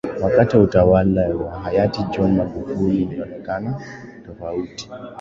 Wakati wa utawala wa hayati John Magufuli ilionekana tofauti